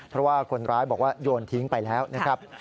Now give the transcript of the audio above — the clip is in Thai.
เพราะว่าคนร้ายบอกว่าโยนทิ้งไปแล้วนะครับ